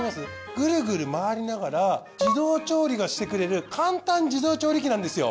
グルグル回りながら自動調理がしてくれる簡単自動調理器なんですよ。